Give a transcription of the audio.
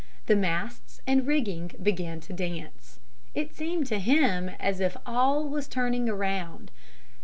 The masts and rigging began to dance. It seemed to him as if all was turning around.